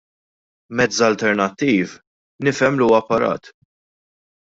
Mezz alternattiv nifhem li huwa apparat.